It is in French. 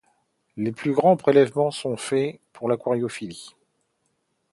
Les plus grands prélèvements sont faits pour l'aquariophilie.